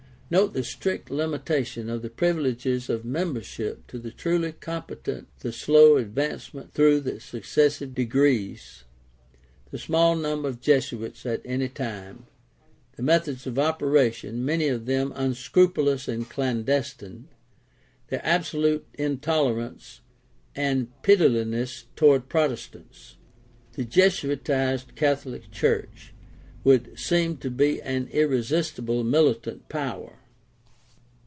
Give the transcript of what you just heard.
Note the strict limitation of the privileges of membership to the truly competent, the slow advancement through the successive degrees, the small number of Jesuits at any time, the methods of operation, many of them unscrupulous and clandestine, their absolute intolerance and pitilessness toward Protestants. A Jesuitized Catholic church would seem to be an irresistible military power.